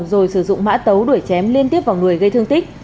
rồi sử dụng mã tấu đuổi chém liên tiếp vào người gây thương tích